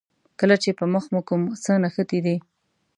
کله چې په مخ مو کوم څه نښتي دي.